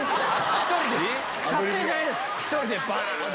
１人で。